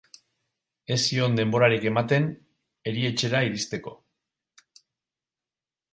Ez zion denborarik ematen erietxera iristeko.